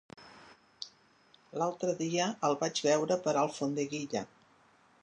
L'altre dia el vaig veure per Alfondeguilla.